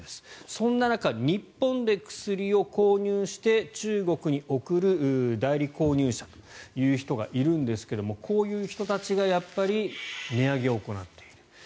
そんな中、日本で薬を購入して中国に送る代理購入者という人がいるんですがこういう人たちがやっぱり値上げを行っている。